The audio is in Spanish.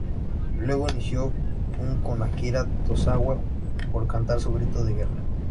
Luego inició un con Akira Tozawa por cantar su grito de guerra.